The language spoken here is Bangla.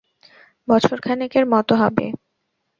বছরখানেকের মত হবে।